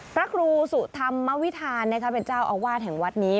พระครูสุธรรมวิธานเป็นเจ้าอาวาสแห่งวัดนี้